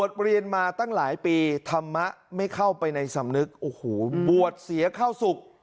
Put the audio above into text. ธรรมะไม่เข้าไปในสำนึกโอ้โหบวชเสียเข้าสุข